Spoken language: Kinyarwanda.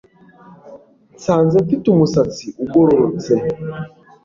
Nsanze mfite umusatsi ugororotse